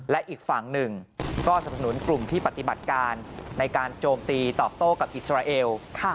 และอีกฝั่งหนึ่งก็สนับสนุนกลุ่มที่ปฏิบัติการในการโจมตีตอบโต้กับอิสราเอล